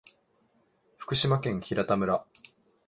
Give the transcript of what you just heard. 福島県平田村